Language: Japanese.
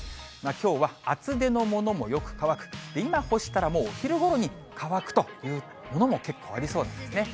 きょうは厚手のものもよく乾く、今、干したらもうお昼ごろに乾くというものも結構ありそうですね。